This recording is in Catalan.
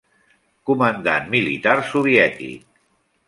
Comandant militar soviètic.